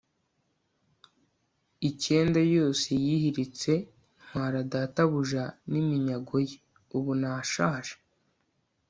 ikenda yose yihiritse ntwara databuja n'iminyago ye. ubu nashaje